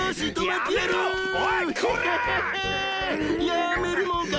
やめるもんか！